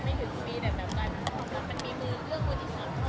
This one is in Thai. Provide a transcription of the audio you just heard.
ไม่ถึงมีแต่การทำลายมีมือธุ้น